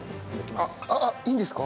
あっいいんですか？